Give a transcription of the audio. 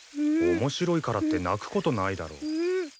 面白いからって泣くことないだろ。